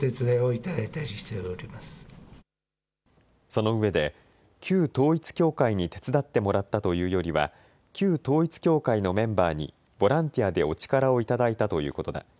そのうえで旧統一教会に手伝ってもらったというよりは旧統一教会のメンバーにボランティアでお力を頂いたということだ。